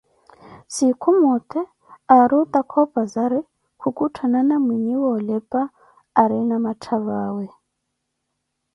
siikhu mote arrutaka opazari khukhuttana mwinhe wa oleepha aarina matthavawe